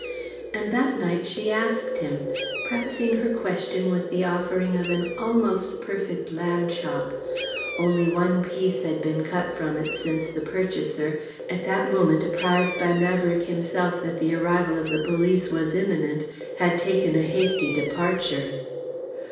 And that night she asked him, prefacing her question with the offering of an almost perfect lamb chop. Only one piece had been cut from it since the purchaser, at that moment apprised by Maverick himself that the arrival of the police was imminent, had taken a hasty departure.